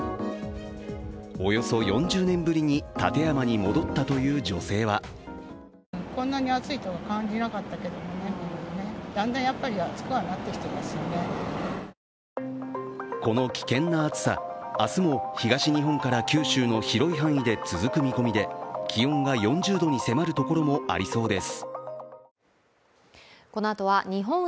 およそ４０年ぶりに館山に戻ったという女性はこの危険な暑さ、明日も東日本から九州の広い範囲で続く見込みで気温が４０度に迫るところもありそうです。